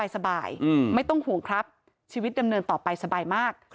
ไม่ต้องห่วงครับชีวิตดำเนินต่อไปสบายมาก